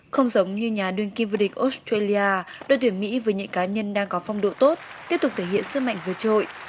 không giống như nhà đương kim vô địch australia đội tuyển mỹ với những cá nhân đang có phong độ tốt tiếp tục thể hiện sức mạnh vượt trội